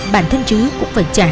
bản thân trứng cũng phải trả